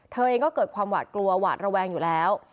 เธอเองก็เกิดความหวาดกลัวหวาดระแวงอยู่แล้ว